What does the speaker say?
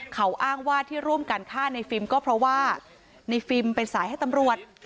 เขาอ้างว่าที่ร่วมกันฆ่าในฟิล์มก็เพราะว่าในฟิล์มเป็นสายให้ตำรวจ